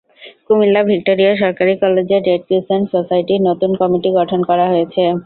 Comilla Victoria সরকারি কলেজের Red Crescent সোসাইটির নতুন কমিটি গঠন করা হয়েছে।